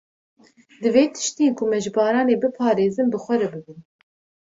Divê tiştên ku me ji baranê biparêzin bi xwe re bibin.